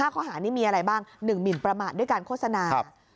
ข้อหานี้มีอะไรบ้าง๑หมินประมาทด้วยการโฆษณา